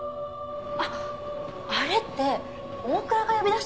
あっあれって大倉が呼び出したんだよ。